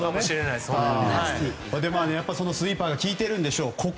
そのスイーパーが効いているんでしょう。